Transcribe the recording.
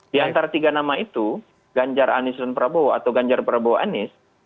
di antara tiga nama itu ganjar anies dan prabowo atau ganjar prabowo anies